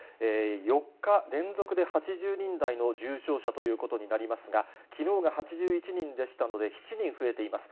４日連続で８０人台の重症者ということになりますが、きのうが８１人でしたので、７人増えています。